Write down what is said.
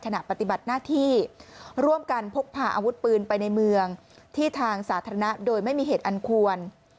ขณะปฏิบัติหน้าที่ร่วมกันพกพาอาวุธปืนไปในเมืองที่ทางสาธารณะโดยไม่มีเหตุอันควร